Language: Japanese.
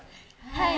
はい。